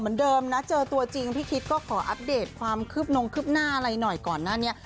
เหมือนเดิมนะเจอตัวจริงพี่คิดก็ขออัปเดตความคืบหน้าบนงคืบหน้าอะไรหน่อยก่อนหน้านี้